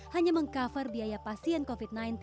hanya mengkaper biaya pasien covid sembilan belas